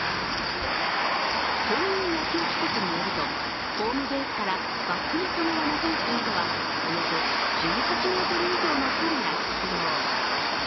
公認野球規則によるとホームベースからバックネット側のフェンスまではおよそ１８ｍ以上の距離が必要。